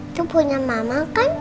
itu punya mama kan